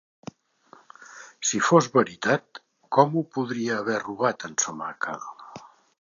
Si fos veritat, com ho podria haver robat en Somaka?